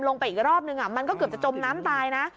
ไปอีกรอบนึงมันก็เกือบจะจมน้ำตายนะ